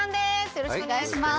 よろしくお願いします。